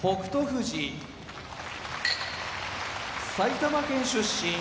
富士埼玉県出身